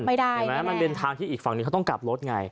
มันเป็นทางที่อีกฝั่งนี้เขาต้องกลับรถไง